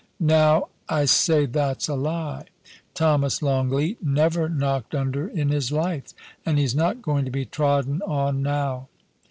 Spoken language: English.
Now, I say that's a lie ! Thomas Longleat never knocked under in his life, and he's not going to be trodden on now.